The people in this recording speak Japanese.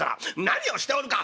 「何をしておるか！